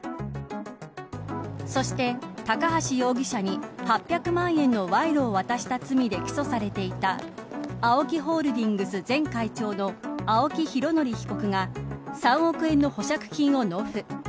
そして高橋容疑者に８００万円の賄賂を渡した罪で起訴されていたＡＯＫＩホールディングス前会長の青木拡憲被告が３億円の保釈金を納付。